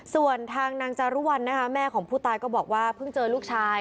ส่วนทางนางจารุวัลนะคะแม่ของผู้ตายก็บอกว่าเพิ่งเจอลูกชาย